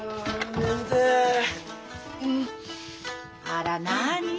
あらなに？